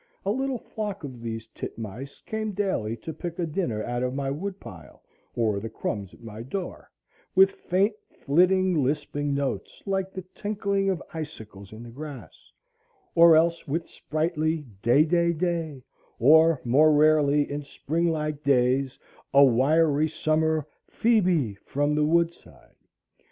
A little flock of these tit mice came daily to pick a dinner out of my wood pile, or the crumbs at my door, with faint flitting lisping notes, like the tinkling of icicles in the grass, or else with sprightly day day day, or more rarely, in spring like days, a wiry summery phe be from the wood side.